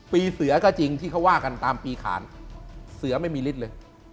ปีเสือก็จริงที่เขาว่ากันตามปีขานเสือไม่มีฤทธิ์เลย